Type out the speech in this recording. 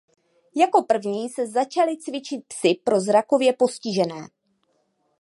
Jako první se začali cvičit psi pro zrakově postižené.